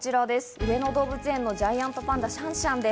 上野動物園のジャイアントパンダ、シャンシャンです。